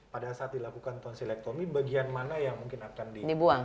pada saat dilakukan ton silektomi bagian mana yang mungkin akan dibuang